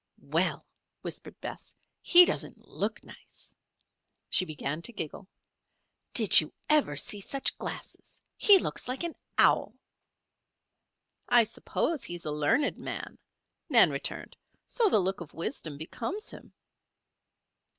"Well," whispered Bess. "He doesn't look nice." She began to giggle. "Did you ever see such glasses? He looks like an owl." "I suppose he is a learned man," Nan returned, "so the look of wisdom becomes him."